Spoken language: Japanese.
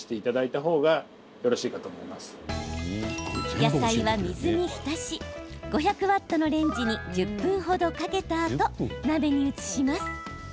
野菜は水に浸し５００ワットのレンジに１０分程かけたあと鍋に移します。